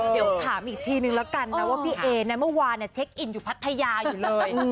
เดี๋ยวถามอีกทีนึงแล้วกันนะว่าพี่เอนะเมื่อวานเช็คอินอยู่พัทยาอยู่เลย